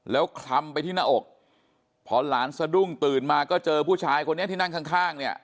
แล้วคลำไปที่หน้าอกพอหลานสะดุ้งตื่นมาก็เจอผู้ชายคนนี้ที่นั่งข้างข้างเนี่ย